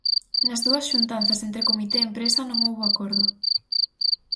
Nas dúas xuntanzas entre comité e empresa non houbo acordo.